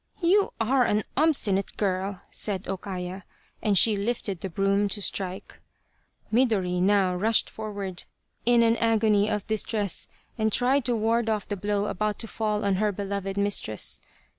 " You are an obstinate girl !" said O Kaya, and she lifted the broom to strike. Midori now rushed forward in an agony of distress and tried to ward off the blow about to fall on her beloved mistress.